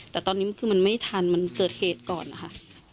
แต่ตอนนี้คือมันไม่ทันมันเกิดเหตุก่อนนะคะ